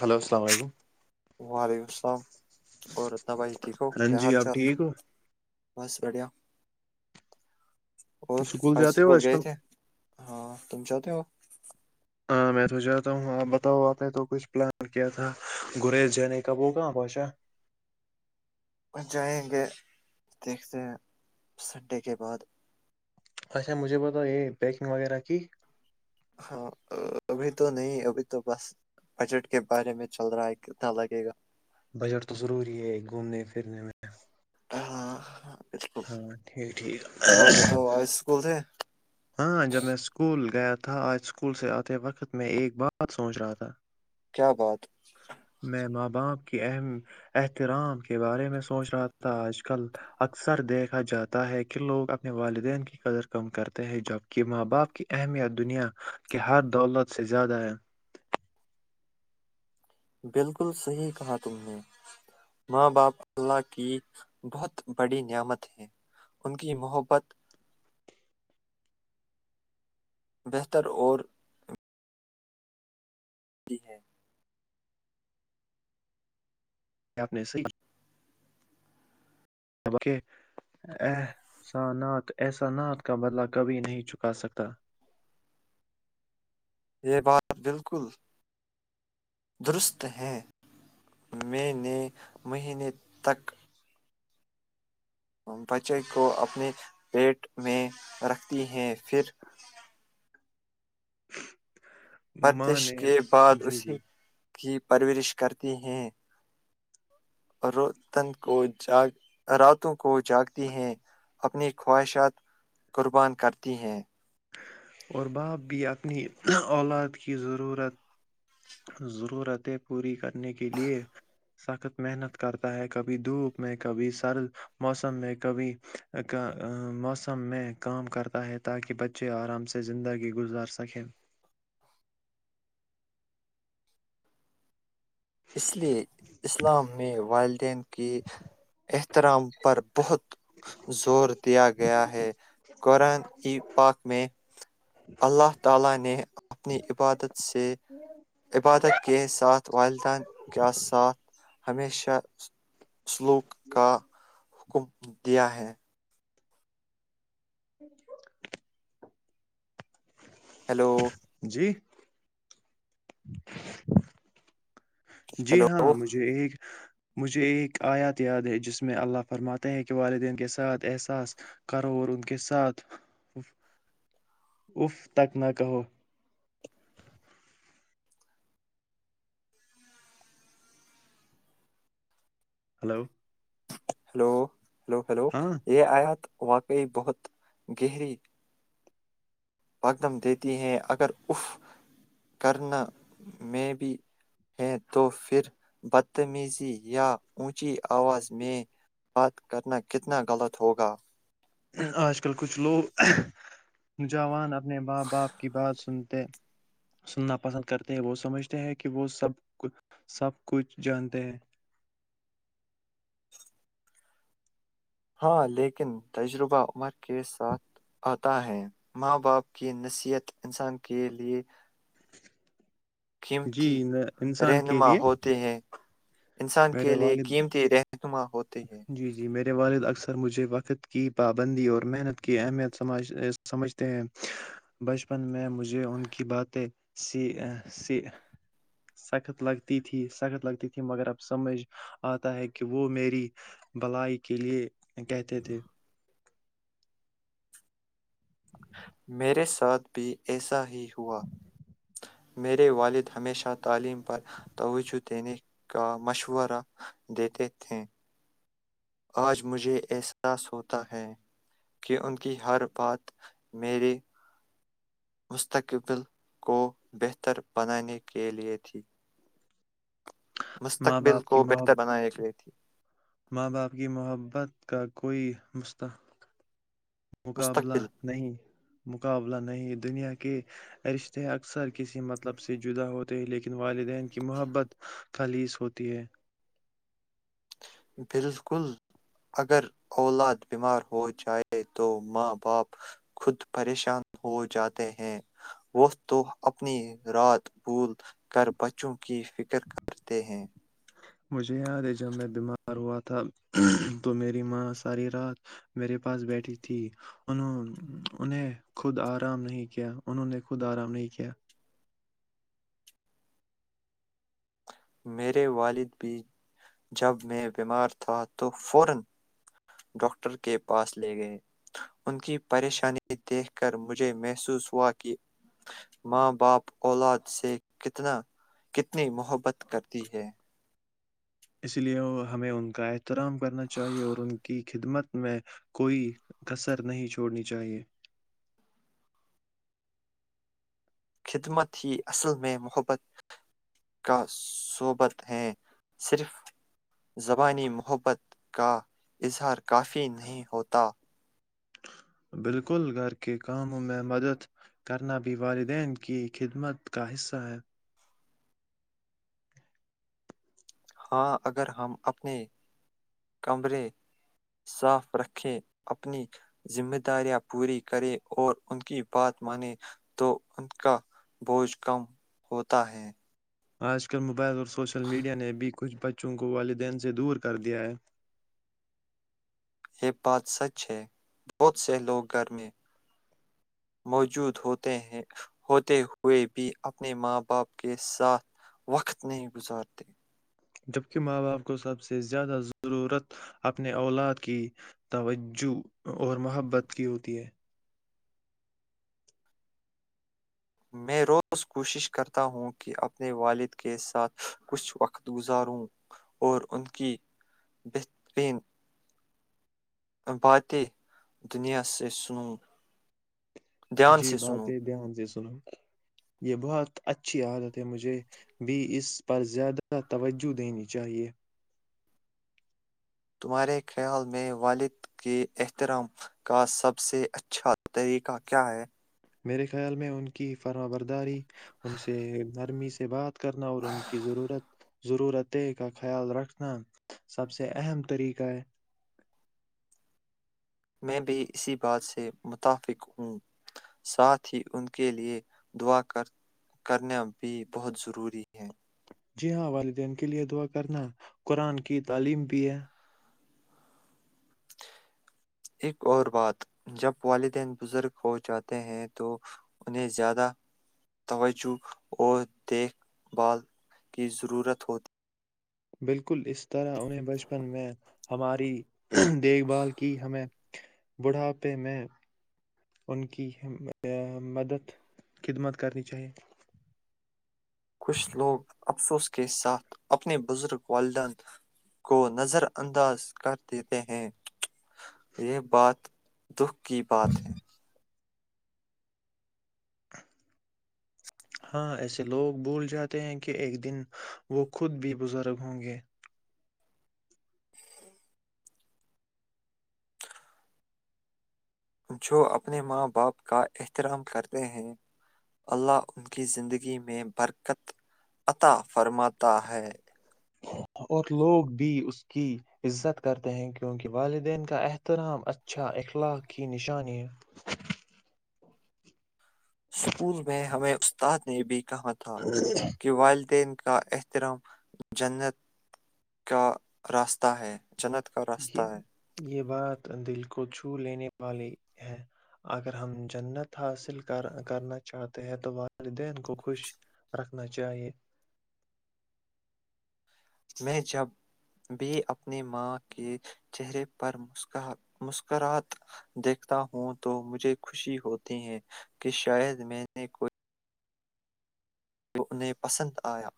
hello السلام علیکم وعلیکم السلام غورت بھائی ٹھیک ہو کیا رنجی حال آپ چال ٹھیک ہو بس بڑھیا اور اسکول آج جاتے ہو سکول گئے کل تھے ہاں تم سے ہوتی ہو ہاں میں تو جاتا ہوں آپ بتاؤ آپ نے تو کچھ پلان کیا تھا گریز جے کب ہو کہاں پہنچا وہ جائیں گے دیکھتے ہیں سنڈے کے بعد اچھا مجھے بتاؤ یہ پیکنگ وغیرہ کی ہاں ابھی تو نہیں ابھی تو بس بجٹ کے بارے میں چل رہا ہے کتنا لگے گا بجٹ تو ضروری ہے گھومنے پھرنے میں ہاں ہاں بالکل ہاں ٹھیک ٹھیک اور بتاؤ آج اسکول تھے ہاں جب میں اسکول گیا تو تھا آج اسکول سے آتے وقت میں ایک بات سوچ رہا تھا کیا بات اں باپ کی اہم احترام کے بارے میں سوچ رہا تھا آج کل اکثر دیکھا جاتا ہے کہ لوگ اپنے والدین کی قدر کم کرتے ہیں جبکہ ماں باپ کی اہمیت دنیا کے ہر دولت سے زیادہ ہے بالکل صحیح کہا تم نے ماں باپ اللہ کی بہت بڑی نعمت ہے ان کی محبت بہتر اور تی ہے کیا آپ نے صحی ک ا احسانات کا بدلہ کبھی نہیں چکا سکتا یہ بات بالکل درست ہے میں نے مہینے تک بچے کو اپنے پیٹ میں رکھتی ہیں پھر ہ [inaudible] پردش کے بعد اسی جی کی پرورش کرتی ہیں رون کو جاگ راتوں کو جاگتی ہیں اپنی خواہشات قربان کرتی ہیں اور باپ بھی اپنی اولاد کی ضرورت ضرورتیں پوری کر کرنے کے لیے کبھی سر موسم میں کبھی موسم میں کام کرتا ہے تاکہ بچے ارام سے زندگی گزار سکیں اس لیے اسلام میں والدین کے احترام پر بہت زور دیا گیا ہے قرآن ای پاک میں اللہ تعالی نے اپنی عبادت سے عبادت کے ساتھ والدین کیا ساتھ ہمیشہ سلوک کا حکم دیا ہے ج [inaudible] ہیلو جی جی ہیلو ہاں ہیلو مجھے ایک مجھے ایک آیات یاد ہے جس میں اللہ فرماتے ہیں کہ والدین کے ساتھ احساس کرو اور ان کے ساتھ اف تک نہ کہو ہلو ہلو ہلو ہلو ہاں یہ آیات واقعی بہت گہری اقدم دیتی ہے اگر اف کرنا میں بھی ہے تو پھر بدتمیزی یا اونچی آواز میں بات کرنا کتنا غلط ہوگا آج کل کچھ لوگ نو جوان اپنے ماں باپ کی بات سنتے سننا پسند کرتے ہیں وہ سمجھتے ہیں کہ وہ سب سب کچھ جانتے ہیں ہاں لیکن تجربہ عمر کے ساتھ آتا ہے ماں باپ کی نصیحت انسان کے لیئے جی قیمتی ن- انسان کے رہنما لیے ہوتے ہیں انسان کے میرے لیے والد قیمتی رہنما ہوتے ہیں جی جی میں والد اکثر مجھے وقت کی پابندی اور محنت کی اہمیت سمج سمجھتے ہیں بچپن میں مجھے ان کی باتیں سخت لگتی تھی سخت لگتی تھی مگر اب سمجھ آتا ہے کہ وہ میری بلائی کے لیے کہتے تھے میرے ساتھ بھی ایسا ہی ہوا میرے والد ہمیشہ تعلیم پر توجہ دینے کا مشورہ دیتے تھے آج مجھے احساس ہوتا ہے کہ ان کی ہر بات میرے مستقبل کو بہتر بنانے کے لیئے تھی ماں مستقبل باپ کی کو محب بہتر بنائے گئے تے ماں باپ کی محبت کا کوئی مستطح ق مستقبل مقابلہ نہیں دنیا کے کہ رشتے اکثر کسی مطلب سے جدا ہوتے ہیں لیکن والدین کی محبت خالص ہوتی ہے پھر کل اگر اولاد بیمار ہو جائے تو ماں باپ خود پریشان ہو جاتے ہیں وہ تو اپنی رات بھول کر بچوں کی فکر کرتے ہیں مجھے یاد ہے جب میں بیمار ہوا تھا تو میری ماں ساری رات میرے پاس بیٹھی تھی انوں انہیں خود آرام نہیں کیا انہوں نے خود آرام نہیں کیا میرے والد بھی جب میں بیمار تھا تو فورا ڈاکٹر کے پاس لے گئے ان کی پریشانی دیکھ کر مجھے محسوس ہوا کہ ماں باپ اولاد سے کتنا کتنی محبت کرتی ہے اس لیے ہمیں ان کا احترام کرنا چاہیئے اور ان کی خدمت میں کوئی کثر نہیں چھوڑنی چاہیئے خدمت ہی اصل میں محبت کا صوبت ہے صرف زبانی محبت کا اظہار کافی نہیں ہوتا بالکل گھر کے کاموں میں مدد کرنا بھی والدین کی خدمت کا حصہ ہے ہاں اگر ہم اپنے کمرے صاف رکھیں اپنی ذمہ داریاں پوری کریں اور ان کی بات مانیں تو ان کا بوجھ کم ہوتا ہے آج کل موبائل اور سوشل میڈیا نے بھی کچھ بچوں کو والدین سے دور کر دیا ہے یہ بات سچ ہے بہت سے لوگ گھر میں موجود ہوتے ہیں ہوتے ہوئے بھی اپنے ماں باپ کے ساتھ وقت نہیں گزارتے جبکہ ماں باپ کو سب سے زیادہ ضرورت اپنے اولاد کی توجہ اور محبت کی ہوتی ہے میں روز کوشش کرتا ہوں کہ اپنے والد کے ساتھ کچھ وقت گزاروں اور ان کی بہترین باتیں دنیا سے سنوں دھیان جی سے بات سنوں ہے دھیان سے سنو یہ بہت اچھی عادت ہے مجھے بھی اس پر زیادہ توجہ دینی چاہیے تمہارے خیال میں والد کے احترام کا سب سے اچھا طریقہ کیا ہے میرے خیال میں ان کی فرم برداری ان سے نرمی سے بات کرنا اور ان کی ضرورت ضرورتیں کا خیال رکھنا سب سے اہم طریقہ ہے میں بھی اسی بات سے متفق ہوں ساتھ ہی ان کے لے دعا کرنا بھی بہت ضروری ہے جی ہاں والدین کے لیے دعا کرنا قرآن کی تعلیم بھی ہے ایک اور بات جب والدین بزرگ ہو جاتے ہیں تو انہیں زیادہ توجہ اور دیکھ بھال کی ضرورت ہوتی ہے بالکل اس طرح انہیں بچپن میں ہماری دیکھ بھال کی ہمیں بڑھاپے میں ان کی مدد خدمت کرنی چاہیے کچھ لوگ افسوس کے ساتھ اپنے بزرگ والدین کو نظر انداز کر دیتے ہیں یہ بات دکھ کی بات ہے ہاں ایسے لوگ بھول جاتے ہیں کہ ایک دن وہ خود بھی بزرگ ہوں گے جو اپنے ماں باپ کا احترام کرتے ہیں اللہ ان کی زندگی میں برکت عطا فرماتا ہے اور لوگ بھی اس کی عزت کرتے ہیں کیونکہ والدین کا احترام اچھا اخلاق کی نشانی اسکول میں ہمیں استاد نے بھی کہاں تھا ہے کہ والدین کا احترام جنت کا راستہ ہے جنت کا راستہ یہ ہے یہ بات دل کو چھ چو لینے والی ہیں اگر ہم جنت حاصل کرنا چاہتے ہیں تو والدین کو خوش رکھنا چاہیے میں جب بھی اپنی ماں کے چہرے پر مسکر مسکرات دیکھتا ہوں تو مجھے خوشی ہوتی ہے کہ شاید میں نے کوئی جو انہیں پسند آیا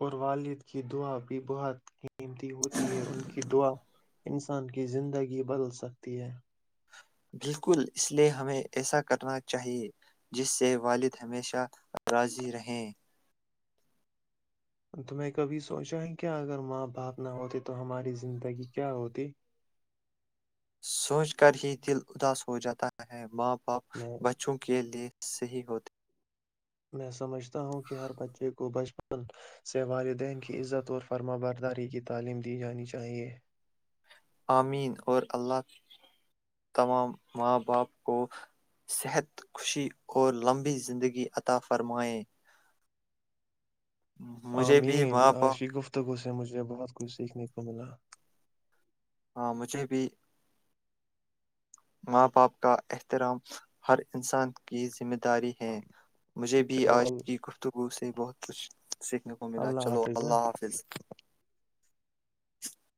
اور والد کی دعا بھی بہت قیمتی ہوتی ہے ان کی دعا انسان کی زندگی بدل سکتی ہے بالکل اس لیے ہمیں ایسا کرنا چاہیئے جس سے والد ہمیشہاضی رہیں تو میں کبھی سوچا ہے کیا اگر ماں باپ نہ ہوتے تو ہماری زندگی کیا ہوتی سوچ کر ہی دل اداس ہو جاتا ہے ماں پپ میں بچوں کے لیے صحیح ہوتی میں سمجھتا ہوں کہ ہر بچے کو بچپن سے والدین کی عزت اور فرما برداری کی تعلیم دی جانی چاہیئے آمین اور اللہ تمام ماں باپ کو صحت خوشی اور لمبی زندگی عطا فرمائیں مجھے بھی آمین ماں باپ عاشی گفتگو سے مجھے بہت کچھ سیکھنے کا کملہ ہاں مجھے بھی ماں باپ کا احترام ہر انسان کی ذمہ د داری ہیں مجھے بھی چلو آج ال- کی گفتگو سے بہت کچھ سیکھنے کو ملا اللہ چلو حافظ ہاں اللہ حافظ [inaudible]